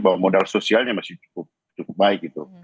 bahwa modal sosialnya masih cukup baik gitu